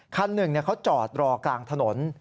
คันหนึ่งเขาจอดรอกลางถนน